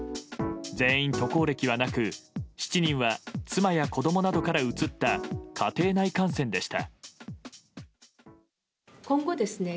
全員渡航歴はなく７人は妻や子供などからうつった家庭内感染でした。